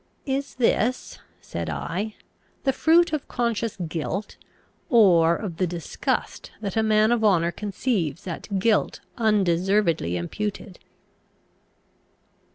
"Is this," said I, "the fruit of conscious guilt, or of the disgust that a man of honour conceives at guilt undeservedly imputed?"